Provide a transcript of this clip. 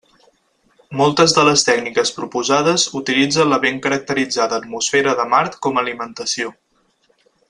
Moltes de les tècniques proposades utilitzen la ben caracteritzada atmosfera de Mart com alimentació.